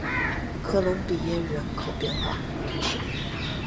科隆比耶人口变化图示